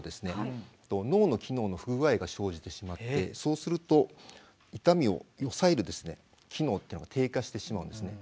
脳の機能の不具合が生じてしまってそうすると痛みを抑える機能っていうのが低下してしまうんですね。